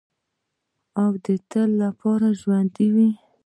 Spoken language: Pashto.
او تل به ژوندی وي.